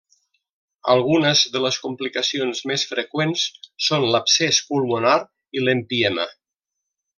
Algunes de les complicacions més freqüents són l'abscés pulmonar i l'empiema.